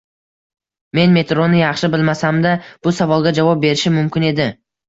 Men metroni yaxshi bilmasamda, bu savolga javob berishim mumkin edi.